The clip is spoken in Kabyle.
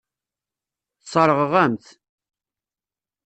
Sseṛɣeɣ-am-t.